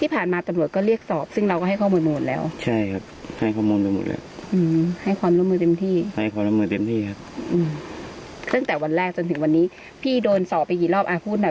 พี่โดนสอบไปกี่รอบอ่าพูดหน่อย